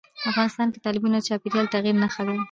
افغانستان کې تالابونه د چاپېریال د تغیر نښه ده.